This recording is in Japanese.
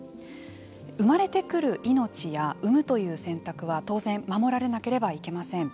生まれてくる命や産むという選択は当然守られなければいけません。